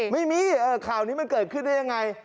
ไม่มีข่าวนี้มันเกิดขึ้นได้ยังไง